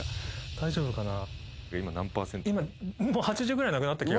大丈夫かな。